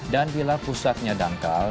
dan bila pusatnya dangkal